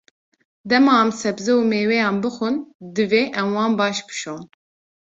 Dema em sebze û mêweyan bixwin, divê em wan baş bişon.